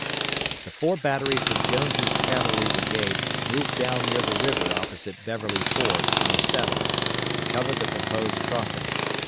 The four batteries of Jones' cavalry brigade moved down near the river opposite Beverly Ford on the 7th, to cover the proposed crossing.